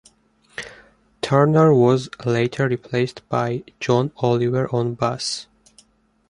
Turner was later replaced by Jon Oliver on bass.